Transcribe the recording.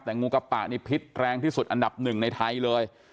แต่งูกระปะนี่พิษแรงที่สุดอันดับหนึ่งในไทยเลย